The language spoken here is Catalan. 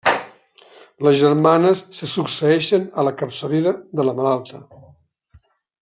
Les germanes se succeeixen a la capçalera de la malalta.